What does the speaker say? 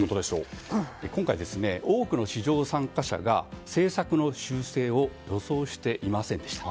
今回、多くの市場参加者が政策の修正を予想していませんでした。